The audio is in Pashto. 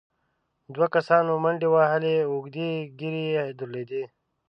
دوو کسانو منډې وهلې، اوږدې ږېرې يې درلودې،